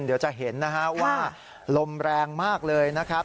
เดี๋ยวจะเห็นนะฮะว่าลมแรงมากเลยนะครับ